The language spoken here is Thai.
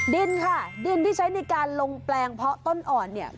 ดินค่ะดินที่ใช้ในการลงแปลงเพาะต้นอ่อนเนี่ย